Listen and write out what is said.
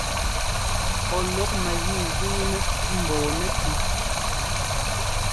Ɔ lúk mɛgǐ zuunɛ mbɔɔ nɛ́pʉ́.